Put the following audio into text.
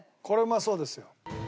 これうまそうですよ。